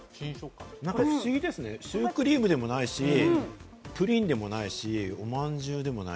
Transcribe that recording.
不思議ですね、シュークリームでもないし、プリンでもないし、おまんじゅうでもない。